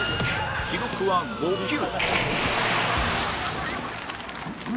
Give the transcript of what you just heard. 記録は５球